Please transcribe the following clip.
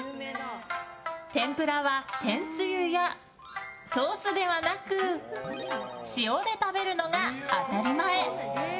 天ぷらは天つゆやソースではなく塩で食べるのが当たり前。